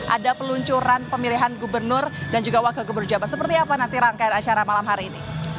ada peluncuran pemilihan gubernur dan juga wakil gubernur jabar seperti apa nanti rangkaian acara malam hari ini